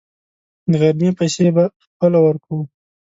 د غرمې پیسې به خپله ورکوو.